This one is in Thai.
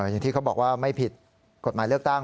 อย่างที่เขาบอกว่าไม่ผิดกฎหมายเลือกตั้ง